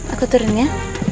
aku turun ya